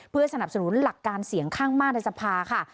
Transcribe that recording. เพื่อสนับสนุนหลักการเสียงข้างมากในสภาค่ะ